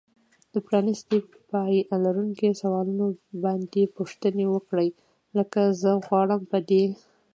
د پرانیستي پای لرونکو سوالونو باندې پوښتنې وکړئ. لکه زه غواړم په دې